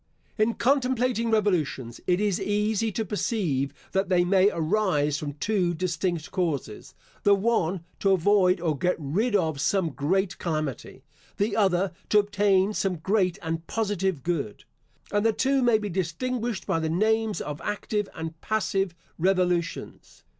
In contemplating revolutions, it is easy to perceive that they may arise from two distinct causes; the one, to avoid or get rid of some great calamity; the other, to obtain some great and positive good; and the two may be distinguished by the names of active and passive revolutions.